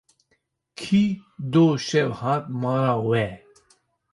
Kî doh şev hat mala we.